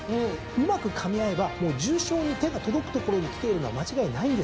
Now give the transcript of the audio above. うまくかみ合えばもう重賞に手が届くところにきているのは間違いないんですよ。